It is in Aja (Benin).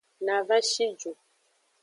Na va shi ju.